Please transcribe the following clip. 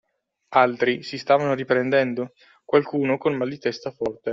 Altri si stavano riprendendo, qualcuno col mal di testa forte.